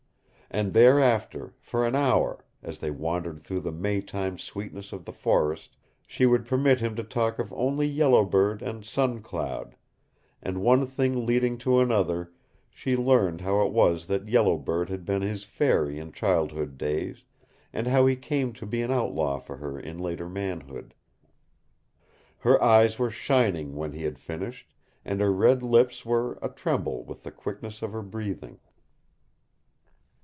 And thereafter, for an hour, as they wandered through the May time sweetness of the forest, she would permit him to talk of only Yellow Bird and Sun Cloud; and, one thing leading to another, she learned how it was that Yellow Bird had been his fairy in childhood days, and how he came to be an outlaw for her in later manhood. Her eyes were shining when he had finished, and her red lips were a tremble with the quickness of her breathing.